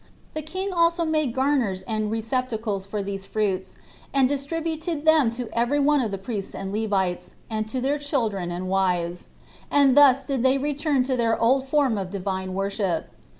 The king also made garners and receptacles for these fruits, and distributed them to every one of the priests and Levites, and to their children and wives; and thus did they return to their old form of Divine worship.